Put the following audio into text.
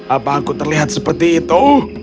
apa aku terlihat seperti itu